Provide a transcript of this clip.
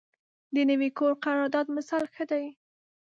د نوي کور قرارداد مثال ښه دی.